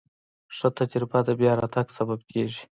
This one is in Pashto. ښه تجربه د بیا راتګ سبب کېږي.